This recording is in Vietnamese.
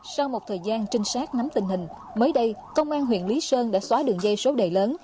sau một thời gian trinh sát nắm tình hình mới đây công an huyện lý sơn đã xóa đường dây số đề lớn